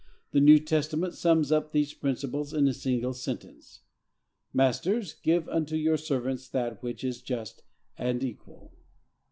The New Testament sums up these principles in a single sentence: "Masters, give unto your servants that which is just and equal."